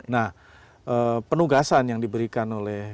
nah penugasan yang diberikan oleh